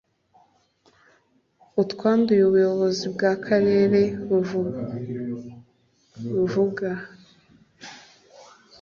utwanduye ubuyobozi bwakarere buvuga